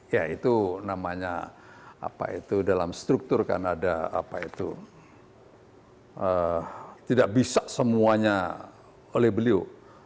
ya itu namanya apa itu dalam struktur kan ada apa itu tidak bisa semuanya oleh beliau